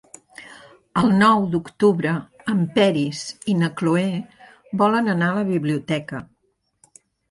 El nou d'octubre en Peris i na Cloè volen anar a la biblioteca.